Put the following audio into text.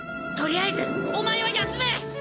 取りあえずお前は休め！